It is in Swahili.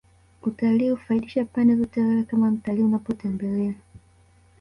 utalii hufaidisha pande zote Wewe kama mtalii unapotembelea